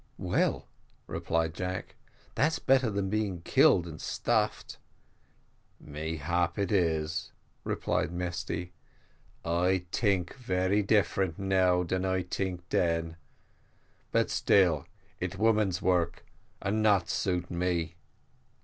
"Well," replied Jack, "that's better than being killed and stuffed." "Mayhap it is," replied Mesty, "I tink very different now dan I tink den but still, its women's work and not suit me.